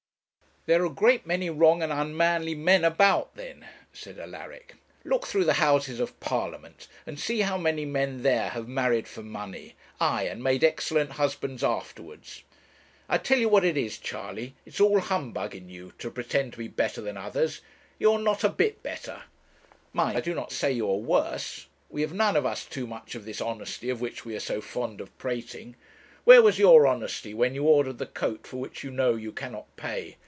'There are a great many wrong and unmanly men about, then,' said Alaric. 'Look through the Houses of Parliament, and see how many men there have married for money; aye, and made excellent husbands afterwards. I'll tell you what it is, Charley, it is all humbug in you to pretend to be better than others; you are not a bit better; mind, I do not say you are worse. We have none of us too much of this honesty of which we are so fond of prating. Where was your honesty when you ordered the coat for which you know you cannot pay?